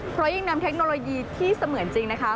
เพราะยิ่งนำเทคโนโลยีที่เสมือนจริงนะคะ